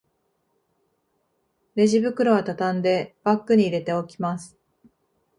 レジ袋はたたんでバッグに入れておきます